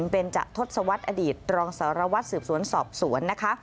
เบนจะทศวรรษอดีตรองสารวสืบสวนสอบสวน